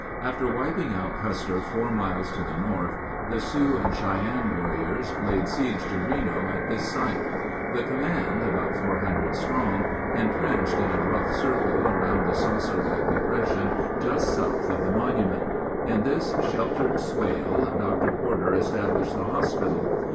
After wiping out Custer four miles to the north, the Sioux and Cheyenne warriors laid siege to Reno at this site. The command, about 400 strong, entrenched in a rough circle around the saucer like de pression just south of the monument. In this sheltered swale, Dr. Porter established the hospital.